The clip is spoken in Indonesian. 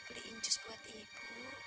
beli incus buat ibu